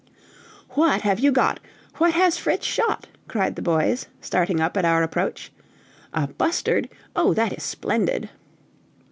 "What have you got?" "What has Fritz shot?" cried the boys, starting up at our approach. "A bustard! oh, that is splendid!"